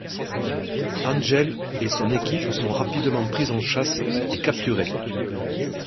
Angel et son équipe sont rapidement pris en chasse et capturés.